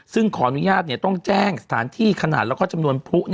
ซึ่งขออนุญาตต้องแจ้งสถานที่ขนาดแล้วก็จำนวนผู้